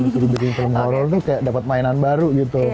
seru bikin film horor tuh kayak dapet mainan baru gitu